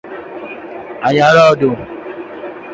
The horses then become a second bird pattern.